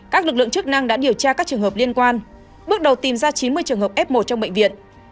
các lực lượng chức năng đã điều tra các trường hợp liên quan bước đầu tìm ra chín mươi trường hợp f một trong bệnh viện